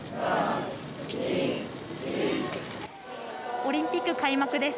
オリンピック開幕です。